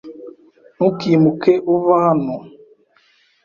Ntukimuke uva hano.